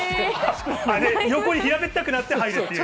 横に平べったくなってはいるっていう？